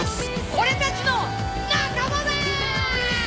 俺たちの仲間だ！